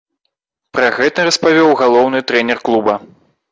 Пра гэта распавёў галоўны трэнер клуба.